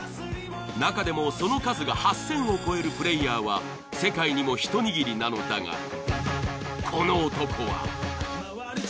なかでもその数が８，０００を超えるプレイヤーは世界にも一握りなのだがこの男は。